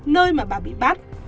nơi mà bà bị bắt